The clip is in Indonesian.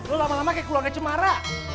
lo lama lama kayak keluar ke cemara